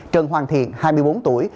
trần hoàng thiện hai mươi bốn tuổi